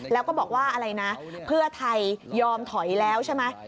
แล้วก็บอกว่าอะไรนะเพื่อไทยยอมถอยแล้วใช่ไหม